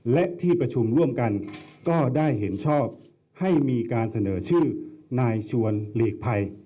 และที่ประชุมร่วมกันก็ได้เห็นชอบให้มีการเสนอชื่อนายชวนหลีกภัย